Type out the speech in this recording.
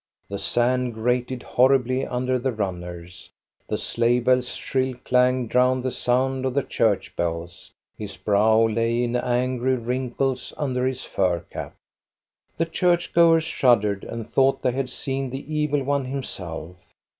The sand grated horribly under the runners, the sleigh bells* shrill clang drowned the sound of the church bells. His brow lay in angry wrinkles under his fur cap. The church goers shuddered and thought they had seen the evil one himself.